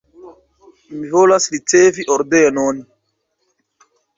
Mi volas ricevi ordenon.